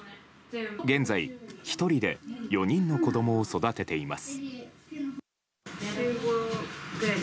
現在、１人で４人の子供を育てています。